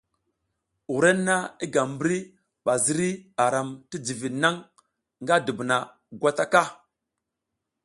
Wrenna i gam mbri ba ziri a ram ti jivid naŋ nga dubuna gwata ka.